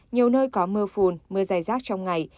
nhiều nơi có mưa phùn mưa dài rác trong ngày